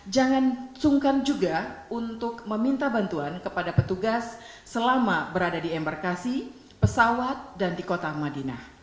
jangan sungkan juga untuk meminta bantuan kepada petugas selama berada di embarkasi pesawat dan di kota madinah